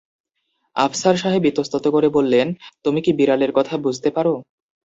আফসার সাহেব ইতস্তত করে বললেন, তুমি কি বিড়ালের কথা বুঝতে পার?